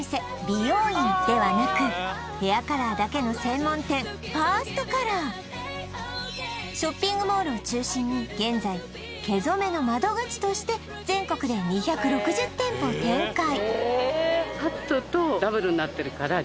美容院ではなくヘアカラーだけの専門店ＦｉｒｓｔＣｏｌｏｒショッピングモールを中心に現在毛染めの窓口として全国で２６０店舗を展開